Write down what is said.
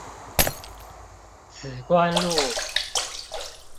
梓官路